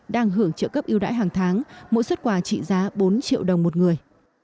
đang hưởng trợ cấp yêu đãi hàng tháng mỗi xuất quà trị giá bốn triệu đồng một người